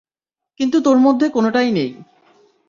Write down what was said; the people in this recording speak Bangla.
কিন্তু তোর মধ্যে কোনোটাই নেই।